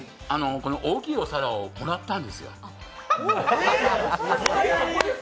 大きいお皿をもらったんですよ。